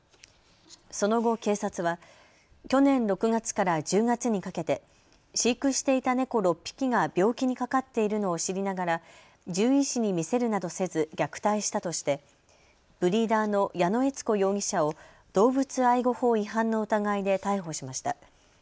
その後、警察は去年６月から１０月にかけて飼育していた猫６匹が病気にかかっているのを知りながら獣医師に診せるなどせず虐待したとしてブリーダーの矢野悦子容疑者を動物愛護法違反の疑いで逮捕しました。